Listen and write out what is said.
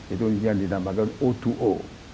itu yang dinamakan o dua o